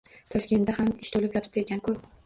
Toshkentda ham ish toʻlib yotibdi ekan-ku